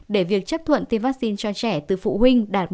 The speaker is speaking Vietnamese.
để việc chấp thuận tiêm vaccine cho trẻ từ phụ huynh đạt một trăm linh